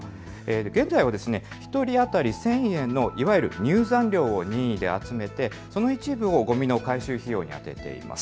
現在は１人当たり１０００円のいわゆる入山料を任意で集めてその一部をごみの回収費用に充てています。